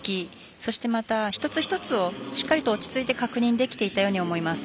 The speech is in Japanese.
そして、また一つ一つをしっかりと落ち着いて確認できていたように思います。